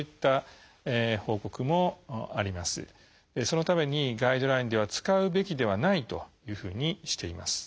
そのためにガイドラインでは「使うべきではない」というふうにしています。